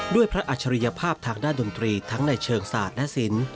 พระอัจฉริยภาพทางด้านดนตรีทั้งในเชิงศาสตร์และศิลป์